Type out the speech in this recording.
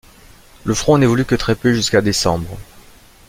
Le front n'évolue que très peu jusqu'à décembre.